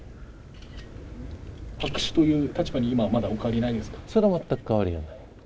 白紙という立場にまだお変わりはないですか？